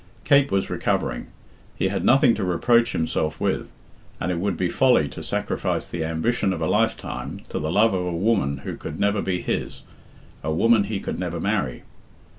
Kate was recovering; he had nothing to reproach himself with, and it would be folly to sacrifice the ambition of a lifetime to the love of a woman who could never be his, a woman he could never marry.